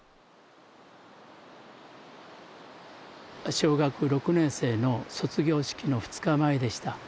小学６年生の卒業式の２日前でした。